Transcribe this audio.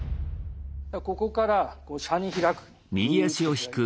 ここから車に開く。